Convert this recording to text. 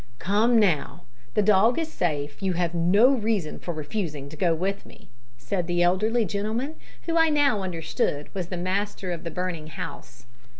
"Come; now the dog is safe you have no reason for refusing to go with me," said the elderly gentleman, who, I now understood, was the master of the burning house.